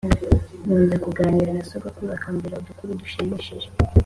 Nkunze kuganira na sogokuru akambwira udukuru dushimishije